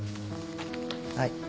はい。